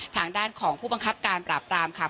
ทางด้านของผู้บังคับการปราบรามค่ะ